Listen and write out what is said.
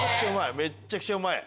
めちゃくちゃうまい！